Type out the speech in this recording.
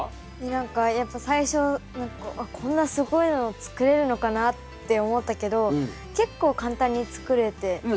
何かやっぱ最初何かこうこんなすごいの作れるのかなって思ったけど結構簡単に作れて楽しかったです。